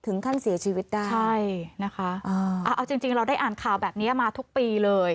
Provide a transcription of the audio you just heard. ถึงขั้นเสียชีวิตได้ใช่นะคะเอาจริงเราได้อ่านข่าวแบบนี้มาทุกปีเลย